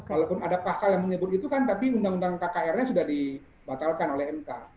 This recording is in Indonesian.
walaupun ada pasal yang menyebut itu kan tapi undang undang kkr nya sudah dibatalkan oleh mk